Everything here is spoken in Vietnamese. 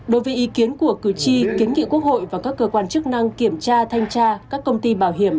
đối với ý kiến của cử tri kiến nghị quốc hội và các cơ quan chức năng kiểm tra thanh tra các công ty bảo hiểm